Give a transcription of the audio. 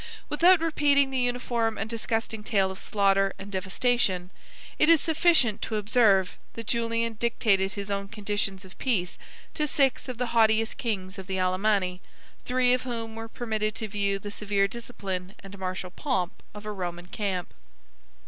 Without repeating the uniform and disgusting tale of slaughter and devastation, it is sufficient to observe, that Julian dictated his own conditions of peace to six of the haughtiest kings of the Alemanni, three of whom were permitted to view the severe discipline and martial pomp of a Roman camp.